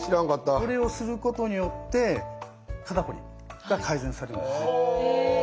これをすることによって肩こりが改善されます。